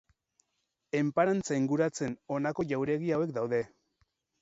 Enparantza inguratzen honako jauregi hauek daude.